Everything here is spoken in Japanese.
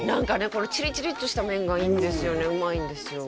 このチリチリっとした麺がいいんですよねうまいんですよ